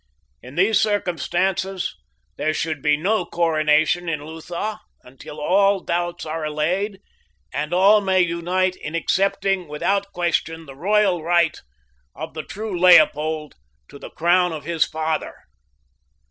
"In these circumstances there should be no coronation in Lutha until all doubts are allayed and all may unite in accepting without question the royal right of the true Leopold to the crown of his father.